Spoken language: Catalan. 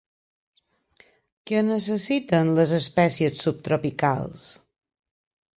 Què necessiten les espècies subtropicals?